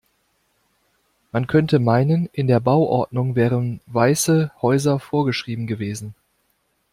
Man könnte meinen in der Bauordnung wären weiße Häuser vorgeschrieben gewesen.